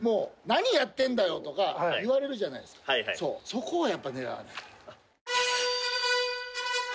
そこをやっぱ狙わないと。